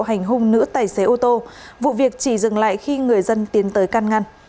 hành hung nữ tài xế ô tô vụ việc chỉ dừng lại khi người dân tiến tới can ngăn